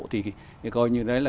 thì gọi như đấy là